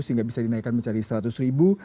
sehingga bisa dinaikkan menjadi seratus ribu